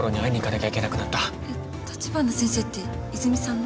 えっ立花先生って泉さんの？